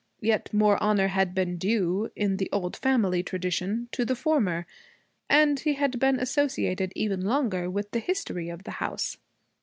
Yet more honor had been due, in the old family tradition, to the former. And he had been associated even longer with the history of the house.